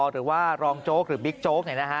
หรือว่ารองโจ๊กหรือบิ๊กโจ๊ก